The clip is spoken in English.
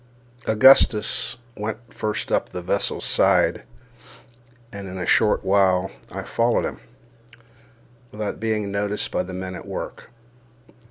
Augustus went first up the vessel's side, and in a short while I followed him, without being noticed by the men at work.